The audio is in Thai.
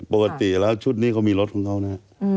ปกติแล้วชุดนี้เขามีรถของเขานะ